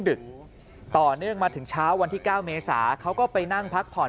ดึกต่อเนื่องมาถึงเช้าวันที่๙เมษาเขาก็ไปนั่งพักผ่อน